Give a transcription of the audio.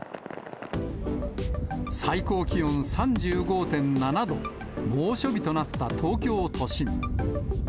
最高気温３５．７度、猛暑日となった東京都心。